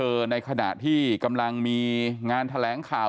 ในขณะที่กำลังมีงานแถลงข่าว